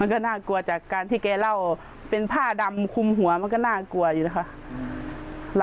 ก็น่ากลัวจากการที่แกเล่าเป็นผ้าดำคุมหัวมันก็น่ากลัวอยู่นะคะ